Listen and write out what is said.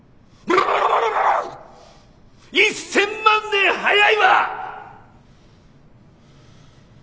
１，０００万年早いわ！